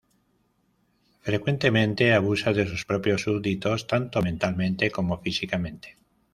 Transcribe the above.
Frecuentemente abusa de sus propios súbditos tanto mentalmente como físicamente.